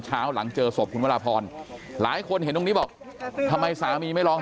หลังเจอศพคุณวราพรหลายคนเห็นตรงนี้บอกทำไมสามีไม่ร้องไห้